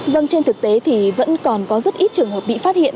vâng trên thực tế thì vẫn còn có rất ít trường hợp bị phát hiện